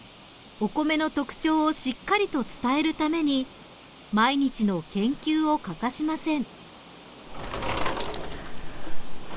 お米の特徴をしっかりと伝えるために毎日の研究を欠かしません。